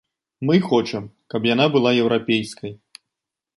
Мы хочам каб яна была еўрапейскай.